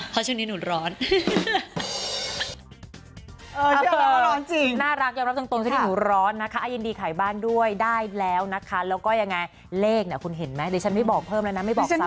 เพราะช่วงนี้หนูร้อน